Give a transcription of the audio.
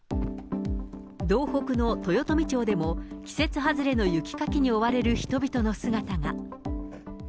道北の豊富町でも、季節外れの雪かきに追われる人々の姿が。